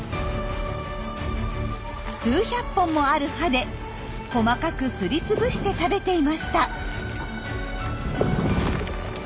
数百本もある歯で細かくすりつぶして食べていました。